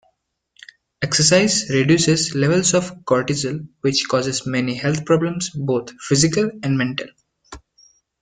Exercise reduces levels of cortisol, which causes many health problems, both physical and mental.